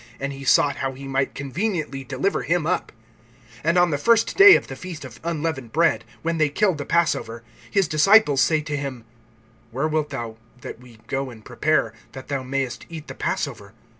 And he sought how he might conveniently deliver him up. (12)And on the first day of the feast of unleavened bread, when they killed the passover, his disciples say to him: Where wilt thou that we go and prepare, that thou mayest eat the passover?